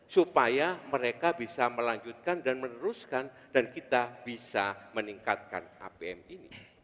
supaya mereka bisa melanjutkan dan meneruskan dan kita bisa meningkatkan apm ini